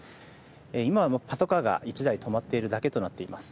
今はパトカーが１台止まっているだけとなっています。